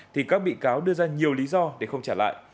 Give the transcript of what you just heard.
thì các bị cáo đưa ra nhiều lý do để không trả lại